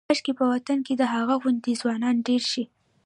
کاشکې په وطن کې د هغه غوندې ځوانان ډېر شي.